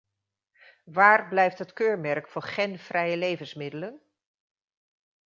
Waar blijft het keurmerk voor genvrije levensmiddelen?